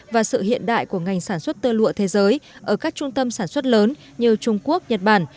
và sự hiện đại của ngành sản xuất tơ lụa thế giới ở các trung tâm sản xuất lớn như trung quốc nhật bản